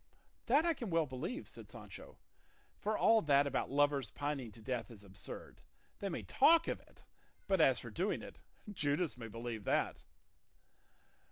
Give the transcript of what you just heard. "That I can well believe," said Sancho; "for all that about lovers pining to death is absurd; they may talk of it, but as for doing it Judas may believe that!"